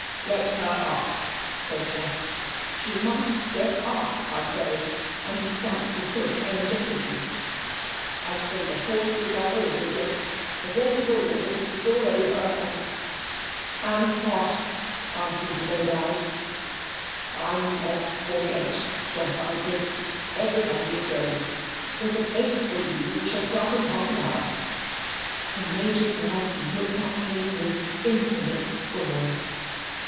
"Get her up," said Jos; "she must get up, I say": and he stamped his foot energetically. "I say the horses are ordered yes, the horses are ordered. It's all over, and " "And what?" asked Mrs. O'Dowd. "I'm off for Ghent," Jos answered. "Everybody is going; there's a place for you! We shall start in half an hour." The Major's wife looked at him with infinite scorn.